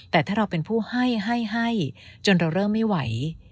แต่ถ้าเราเป็นผู้ให้ให้จนเราเริ่มไม่ไหว